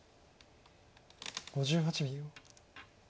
５８秒。